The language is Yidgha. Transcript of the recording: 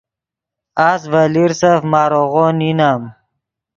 اس ڤے لیرسف ماریغو نینم